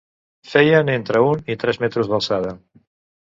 Feien entre un i tres metres d'alçada.